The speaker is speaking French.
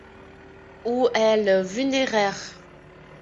Où est le vulnéraire?